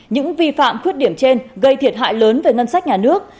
những vi phạm khuyết điểm trên gây thiệt hại lớn về ngân sách nhà nước